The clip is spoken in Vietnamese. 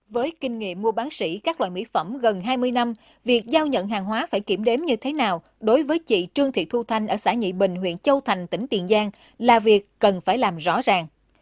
với kinh nghiệm mua bán sĩ các loại mỹ phẩm gần hai mươi năm việc giao nhận hàng hóa phải kiểm đếm như thế nào đối với chị trương thị thu thanh ở xã nhị bình huyện châu thành tỉnh tiền giang là việc cần phải làm rõ ràng